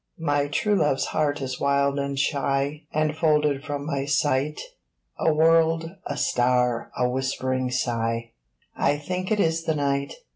My true love's heart is wild and shy And folded from my sight, A world, a star, a whispering sigh I think it is the Night.